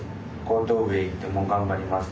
高等部へ行っても頑張ります。